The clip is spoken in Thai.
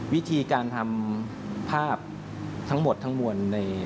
วิธีการทำภาพทั้งหมดทั้งมวล